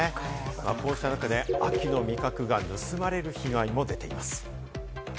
こうした中、秋の味覚が盗まれる被害も出ています。